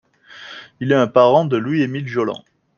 Il est un parent de Louis-Émile Jollan.